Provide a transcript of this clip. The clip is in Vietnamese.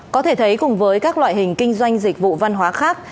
có thể thấy cùng với các loại hình kinh doanh dịch vụ văn hóa khác